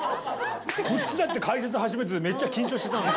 こっちだって解説初めてで、めっちゃ緊張してたのに。